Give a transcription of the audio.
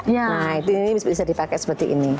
nah itu ini bisa dipakai seperti ini